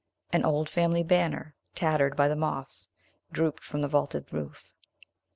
An old family banner, tattered by the moths, drooped from the vaulted roof.